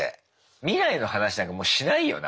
未来の話なんかもうしないよな